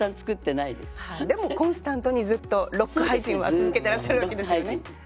でもコンスタントにずっと六句俳人は続けてらっしゃるわけですよね。